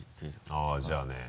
あっじゃあね。